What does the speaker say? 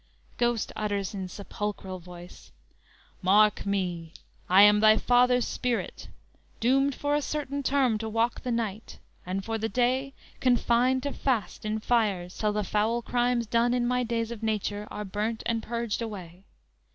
"_ Ghost utters in sepulchral voice: _"Mark me! I am thy father's spirit; Doomed for a certain term to walk the night, And for the day confined to fast in fires Till the foul crimes done in my days of nature Are burnt and purged away.